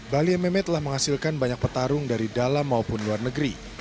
bali mma telah menghasilkan banyak petarung dari dalam maupun luar negeri